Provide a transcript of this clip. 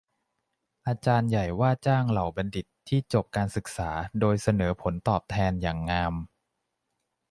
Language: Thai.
อาจารย์ใหญ่ว่าจ้างเหล่าบัณฑิตที่จบการศึกษาโดยเสนอผลตอบแทนอย่างงาม